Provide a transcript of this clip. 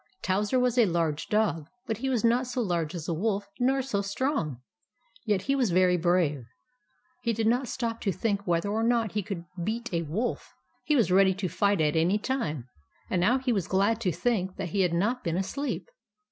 Towser was a large dog, but he was not so large as a wolf, nor so strong ; yet he was very brave. He did not stop to think whether or not he could beat a wolf. He 138 THE ADVENTURES OF MABEL was ready to fight at any time; and now he was glad to think that he had not been asleep.